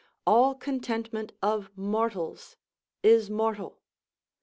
All contentment of mortals is mortal.